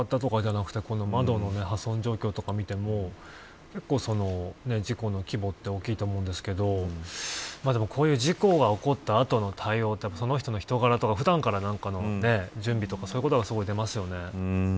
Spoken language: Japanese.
軽くぶつかったとかじゃなくて窓の破損状況とかを見ても結構、事故の規模って大きいと思うんですけどでも、こういう事故が起こった後の対応は、その人の人柄とか普段からの準備とかがすごい出ますよね。